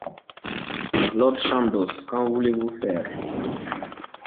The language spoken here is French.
Lord Chandos Qu’en voulez-vous faire ?